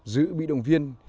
giữ bị động viên